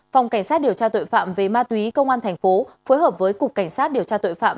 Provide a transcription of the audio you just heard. phòng cảnh sát điều tra tội phạm về ma túy công an thành phố phối hợp với cục cảnh sát điều tra tội phạm